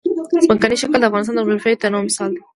ځمکنی شکل د افغانستان د جغرافیوي تنوع مثال دی.